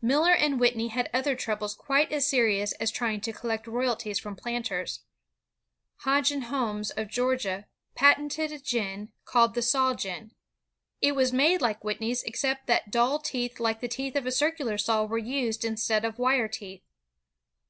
Miller and Whitney had other troubles quite as serious as trying to collect royalties from planters. Hodgen Homes, of Georgia, patented a gin, called the "saw gin." It was made like Whitney's, except that dull teeth like the teeth of a circular saw were used instead of wire teeth.